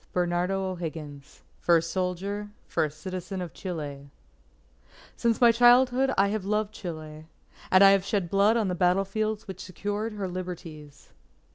AUGUST 20 BERNARDO O'HIGGINS FIRST SOLDIER, FIRST CITIZEN OF CHILE _Since my childhood I have loved Chile; and I have shed my blood on the battle fields which secured her liberties.